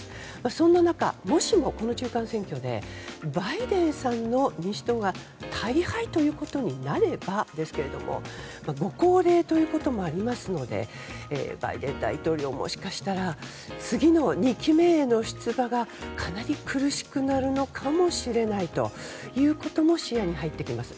そんな中、もしもこの中間選挙でバイデンさんの民主党が大敗となればですがご高齢ということもありますのでバイデン大統領もしかしたら次の２期目への出馬がかなり苦しくなるかもしれないということも視野に入ってきます。